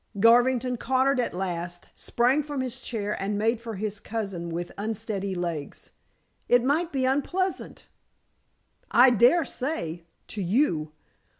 Garvington, cornered at last, sprang from his chair and made for his cousin with unsteady legs. "It might be unpleasant." "I daresay to you.